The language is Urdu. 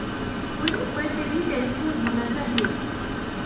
کوئی اوپر سے بھی ٹیلی فون ہونا چاہئے